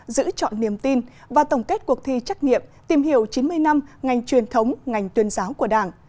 giữ chọn niềm tin và tổng kết cuộc thi trắc nghiệm tìm hiểu chín mươi năm ngành truyền thống ngành tuyên giáo của đảng